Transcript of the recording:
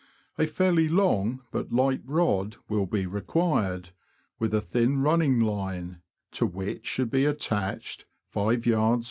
A fairly long but light rod will be required, with a thin running line, to which should be attached 5yds.